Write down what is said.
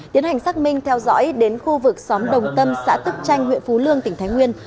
tiến hành xác minh theo dõi đến khu vực xóm đồng tâm xã tức chanh huyện phú lương tỉnh thái nguyên